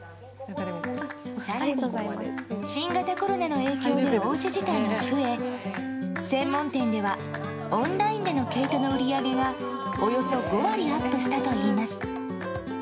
更に、新型コロナの影響でおうち時間が増え専門店ではオンラインでの毛糸の売り上げがおよそ５割アップしたといいます。